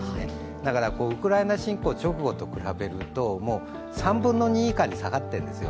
だからウクライナ侵攻直後と比べると３分の２以下に下がっているんですよ。